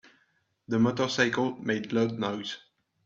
The motorcycle made loud noise.